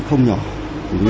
không có bản chất của họ